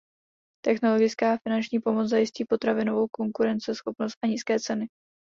Technologická a finanční pomoc zajistí potravinovou konkurenceschopnost a nízké ceny.